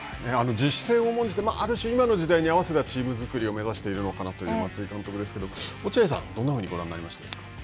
自主性を重んじて、ある種、今の時代に合わせたチーム作りを目指しているのかなという松井監督ですけど落合さん、どんなふうにご覧になりましたか。